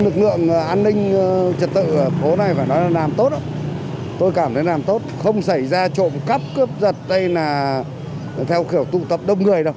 tôi cảm thấy làm tốt không xảy ra trộm cắp cướp giật hay là theo kiểu tụ tập đông người đâu